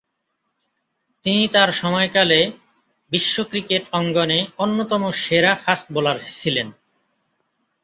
তিনি তার সময়কালে বিশ্ব ক্রিকেট অঙ্গনে অন্যতম সেরা ফাস্ট বোলার ছিলেন।